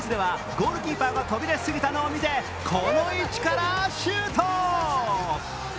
こちらドイツではゴールキーパーが飛び出し過ぎたのを見てこの位置からシュート。